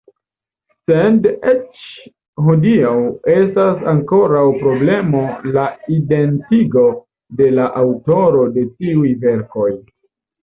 Sed eĉ hodiaŭ estas ankoraŭ problemo la identigo de la aŭtoro de tiuj verkoj.